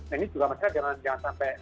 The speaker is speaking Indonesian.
nah ini juga masalah jangan sampai